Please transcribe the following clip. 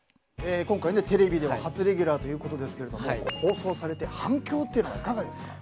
今回テレビでも初レギュラーということですが放送されて反響というのはいかがですか？